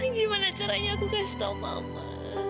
gimana caranya aku kasih tau mama